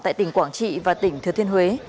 tại tỉnh quảng trị và tỉnh thừa thiên huế